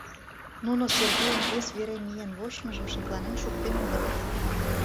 Нуно Сергейын вес вере миен вочмыжым шекланен шуктен огытыл.